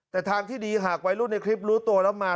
แต่ทางที่ดีหากวัยรุ่นในคลิปรู้ตัวแล้วมา